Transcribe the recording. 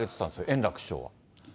円楽師匠が。